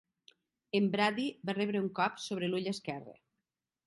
En Brady va rebre un cop sobre l'ull esquerre.